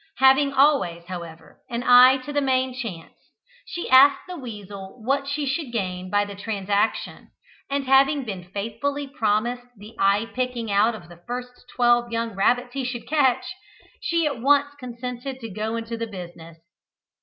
Having always, however, an eye to the main chance, she asked the weasel what she should gain by the transaction, and having been faithfully promised the eye picking out of the first twelve young rabbits he should catch, she at once consented to go into the business.